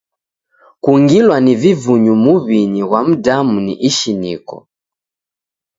Kungilwa ni vivunyu muw'inyi ghwa mdamu ni ishiniko.